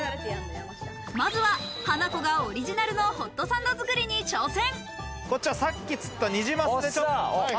まずはハナコがオリジナルのホットサンド作りに挑戦。